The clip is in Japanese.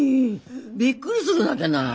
びっくりするなけな。